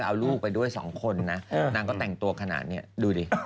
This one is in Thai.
เอาลูกไปด้วยสองคนนะนางก็แต่งตัวขนาดนี้ดูดิ